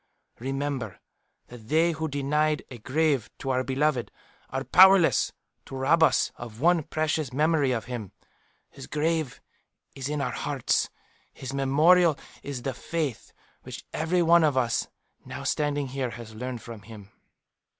"Remember that they who denied a grave to our beloved, are powerless to rob us of one precious memory of him. His grave is in our hearts; his memorial is the faith which every one of us now standing here has learned from him."